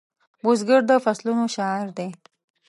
بزګر د فصلونو شاعر دی